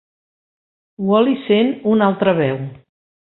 Wally sent una altra veu.